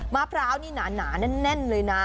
มะพร้าวนี่หนาแน่นเลยนะ